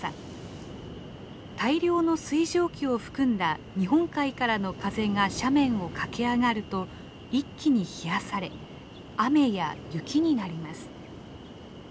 大量の水蒸気を含んだ日本海からの風が斜面を駆け上がると一気に冷やされ雨や雪になります。